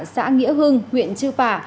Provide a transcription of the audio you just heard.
xã nghĩa hưng huyện chư bả